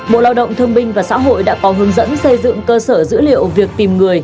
bộ lao động thương minh và xã hội đã có hướng dẫn xây dựng cơ sở dữ liệu việc tìm người